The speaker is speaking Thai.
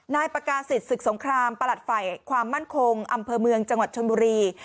นายประกาศิษย์ศึกสงครามประหลัดฝ่ายความมั่นคงอำเภอเมืองจังหวัดชนบุรี